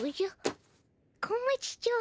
小町ちゃん。